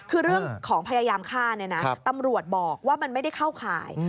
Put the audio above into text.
คือเรื่องของพยายามฆ่าเนี่ยนะตำรวจบอกว่ามันไม่ได้เข้าข่าย